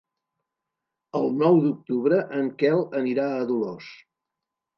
El nou d'octubre en Quel anirà a Dolors.